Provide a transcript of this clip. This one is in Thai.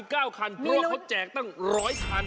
กลัวเขาแจกตั้ง๑๐๐คัน